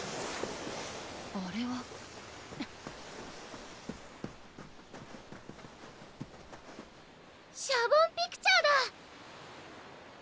あれはシャボンピクチャーだ！